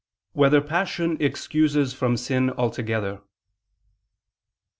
7] Whether Passion Excuses from Sin Altogether?